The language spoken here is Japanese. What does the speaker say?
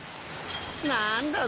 何だ？